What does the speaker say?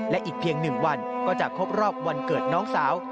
และอีกเพียง๑วันก็จะครบรอบวันเกิดน้องสาว